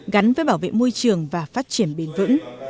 gắn với bảo vệ môi trường và phát triển bền vững